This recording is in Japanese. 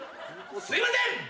すいません！